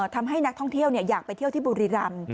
ทำให้นักท่องเที่ยวอยากไปที่บูริรัมป์